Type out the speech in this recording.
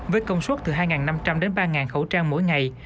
với công suất từ hai năm trăm linh đến ba khẩu trang mỗi ngày